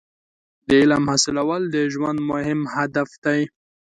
• د علم حاصلول د ژوند مهم هدف دی.